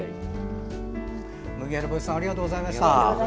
麦わら帽子さんありがとうございました。